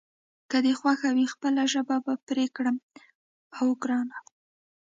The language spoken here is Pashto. که دې خوښه وي خپله ژبه به پرې کړم، اوه ګرانه.